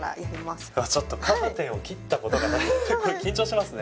うわちょっとカーテンを切ったことがないので緊張しますね。